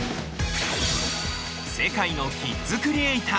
世界のキッズクリエイター。